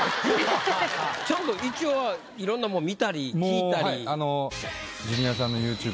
ちょっと一応は色んなもん見たり聞いたり。